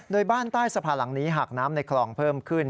โดยบ้านใต้สะพานหลังนี้หากน้ำในคลองเพิ่มขึ้น